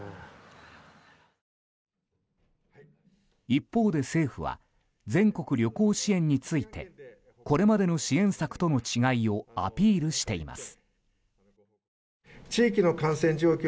一方で政府は全国旅行支援についてこれまでの支援策との違いをアピールしています。